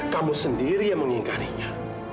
kamu sendiri yang mengingkarinya